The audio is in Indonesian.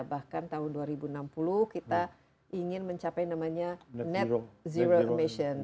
bahkan tahun dua ribu enam puluh kita ingin mencapai namanya net zero emission